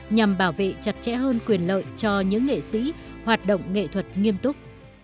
nhằm bảo vệ chặt chẽ hơn quyền lợi cho những nghệ sĩ hoạt động nghệ thuật nghiêm túc